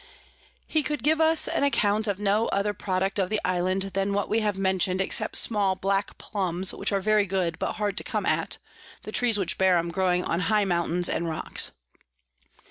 He could give us an account of no other Product of the Island than what we have mention'd, except small black Plums, which are very good, but hard to come at, the Trees which bear 'em growing on high Mountains and Rocks.